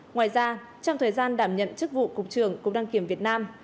ngoài ra trong thời gian đảm nhận chức vụ cục trưởng cục đăng kiểm việt nam